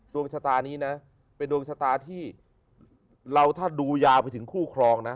ดวงชะตานี้นะเป็นดวงชะตาที่เราถ้าดูยาวไปถึงคู่ครองนะ